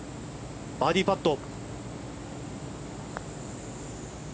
バーディーパット。